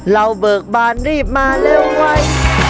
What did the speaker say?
เราเบิกอบทิศรีบมาเร็วไว้